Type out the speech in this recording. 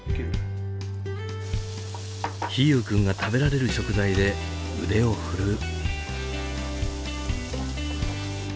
陽友君が食べられる食材で腕を振るう。